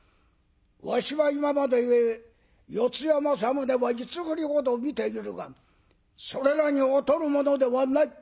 わしは今まで四谷正宗は五振りほど見ているがそれらに劣るものではない。